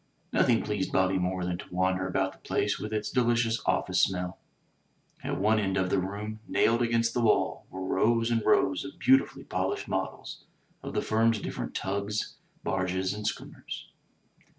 Nothing pleased Bobby more than to wander about the place with its delicious "office smell." At one end of the room, nailed against the wall, were rows and rows of beautifully polished models of the firm's different tugs, barges and schooners.